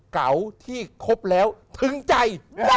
เก่าที่ครบแล้วถึงใจ